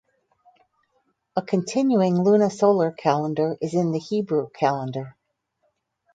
A continuing lunisolar calendar is in the Hebrew calendar.